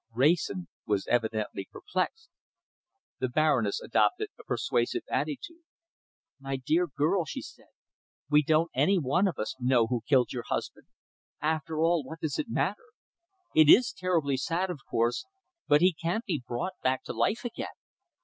Wrayson was evidently perplexed. The Baroness adopted a persuasive attitude. "My dear girl," she said, "we don't any of us know who killed your husband. After all, what does it matter? It is terribly sad, of course, but he can't be brought back to life again.